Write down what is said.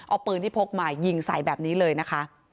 เอาปืนที่พกมายิงใส่แบบนี้เลยนะคะ